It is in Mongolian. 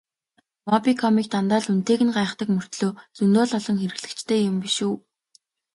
Мобикомыг дандаа л үнэтэйг нь гайхдаг мөртөө зөндөө л олон хэрэглэгчтэй юм биш үү?